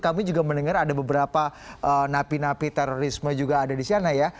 kami juga mendengar ada beberapa napi napi terorisme juga ada di sana ya